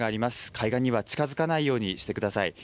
海岸には近づかないようにしてください。